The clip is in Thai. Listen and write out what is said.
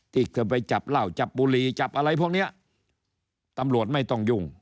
ที่เธอไปจับเหล้าจับบุหรี่จับอะไรพวกเนี้ยตำรวจไม่ต้องยุ่ง